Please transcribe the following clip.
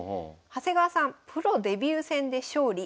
長谷川さんプロデビュー戦で勝利